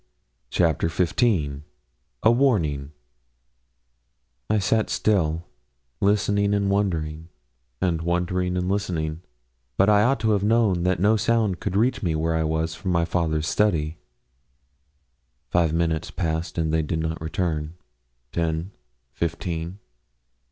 CHAPTER XV A WARNING I sat still, listening and wondering, and wondering and listening; but I ought to have known that no sound could reach me where I was from my father's study. Five minutes passed and they did not return. Ten, fifteen.